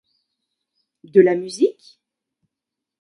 De la musique ?